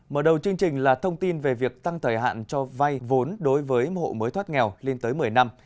mở đầu chương trình là thông tin về việc tăng thời hạn cho vay vốn đối với hộ mới thoát nghèo lên tới một mươi năm